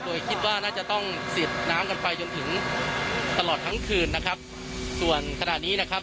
โดยคิดว่าน่าจะต้องเสียดน้ำกันไปจนถึงตลอดทั้งคืนนะครับส่วนขณะนี้นะครับ